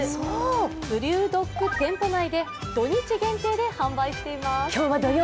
ＢＲＥＷＤＯＧ店舗内で土日限定で販売しています。